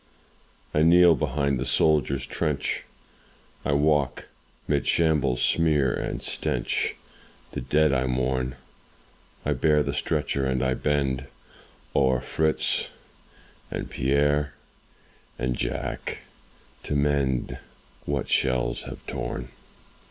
I kneel behind the soldier's trench, I walk 'mid shambles' smear and stench, The dead I mourn; I bear the stretcher and I bend O'er Fritz and Pierre and Jack to mend What shells have torn.